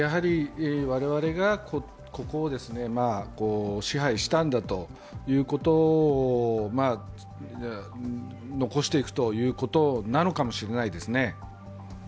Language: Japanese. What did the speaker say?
我々がここを支配したんだということを残していくということなのかもしれないですね。